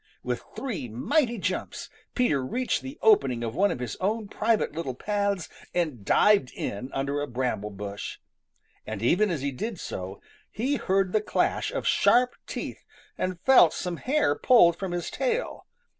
With three mighty jumps, Peter reached the opening of one of his own private little paths and dived in under a bramble bush. And even as he did so, he heard the clash of sharp teeth and felt some hair pulled from his tail.